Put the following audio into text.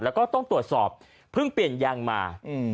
แล้วก็ต้องตรวจสอบเพิ่งเปลี่ยนยางมา